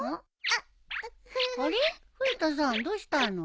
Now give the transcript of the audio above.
あれっ？冬田さんどうしたの？